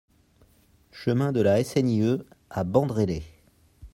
Chemin de la SNIE à Bandrélé